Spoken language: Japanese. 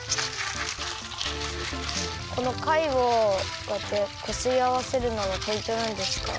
このかいをこうやってこすりあわせるのがポイントなんですか？